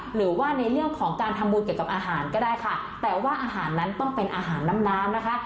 หรือว่าในเรื่องของการทำบุญเกี่ยวกับอาหารก็ได้ค่ะแต่ว่าอาหารนั้นต้องเป็นอาหารน้ำน้ำนะคะ